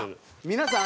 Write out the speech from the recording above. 皆さん